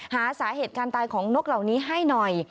หาสาเหตุการตายของนกเหล่านี้ให้หน่อย